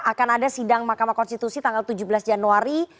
akan ada sidang mahkamah konstitusi tanggal tujuh belas januari